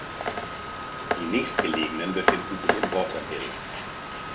Die nächstgelegenen befinden sich in Waterville.